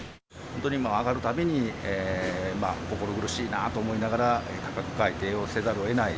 本当に、上がるたびに心苦しいなと思いながら、価格改定をせざるをえない。